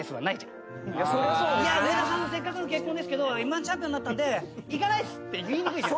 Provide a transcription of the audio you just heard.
「いや上田さんのせっかくの結婚ですけどＭ−１チャンピオンになったんで行かないっす」って言いにくい。